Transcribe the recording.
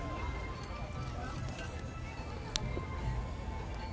แวะอยู่ที่เมืองลักษณะคนเดียว